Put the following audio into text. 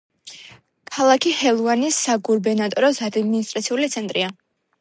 ქალაქი ჰელუანის საგუბერნატოროს ადმინისტრაციული ცენტრია.